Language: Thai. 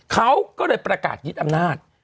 เขาก็เลยปรากัดยิทย์อำนาจ